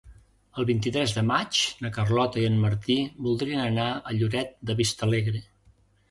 El vint-i-tres de maig na Carlota i en Martí voldrien anar a Lloret de Vistalegre.